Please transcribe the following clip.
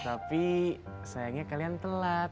tapi sayangnya kalian telat